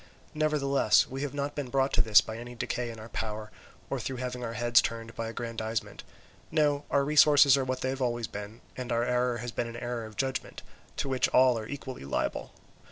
Nevertheless, we have not been brought to this by any decay in our power, or through having our heads turned by aggrandizement; no, our resources are what they have always been, and our error has been an error of judgment, to which all are equally liable.